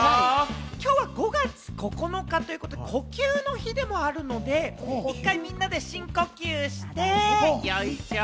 今日は５月９日ということで、呼吸の日でもあるので、一回みんなで深呼吸して、よいしょ！